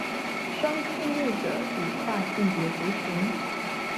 雙性戀者與跨性別族群